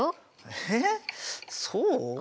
えっそう？